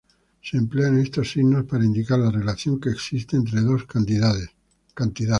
Se emplean estos signos para indicar la relación que existe entre dos cantidades.